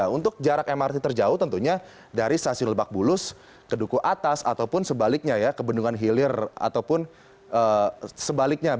untuk jarak mrt terjauh tentunya dari stasiun lebak bulus ke duku atas ataupun sebaliknya ya ke bendungan hilir ataupun sebaliknya